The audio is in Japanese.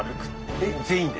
えっ全員で？